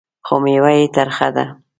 خو مېوه یې ترخه ده .